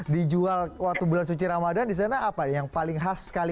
dijual waktu bulan suci ramadan di sana apa yang paling khas sekali